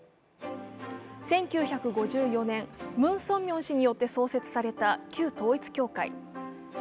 １９５４年、ムン・ソンミョン氏によって創設された旧統一教会。